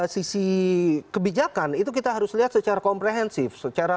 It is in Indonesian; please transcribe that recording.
sisi kebijakan itu kita harus lihat secara komprehensif